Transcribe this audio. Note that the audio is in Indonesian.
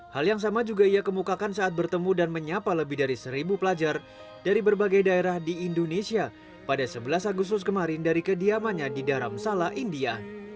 hal yang sama juga ia kemukakan saat bertemu dan menyapa lebih dari seribu pelajar dari berbagai daerah di indonesia pada sebelas agustus kemarin dari kediamannya di daram sala india